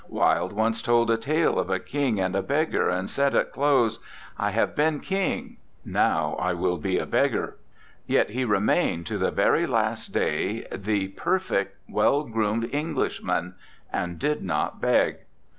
Wilde once told a tale of a king and a beggar, and said at close: " I have been king; now I will be a beggar." Yet he remained to the very last day the per fect, well groomed Englishman and did not beg.